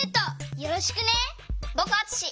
よろしく！